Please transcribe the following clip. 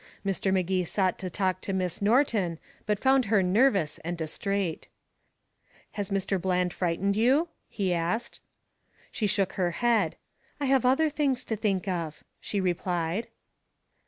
Mr. Magee sought to talk to Miss Norton, but found her nervous and distrait. "Has Mr. Bland frightened you?" he asked. She shook her head. "I have other things to think of," she replied.